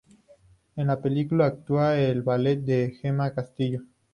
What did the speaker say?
En la película actúa el ballet de Gema Castillo.